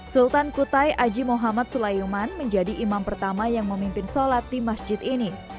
sultan kutai haji muhammad sulaiman menjadi imam pertama yang memimpin sholat di masjid ini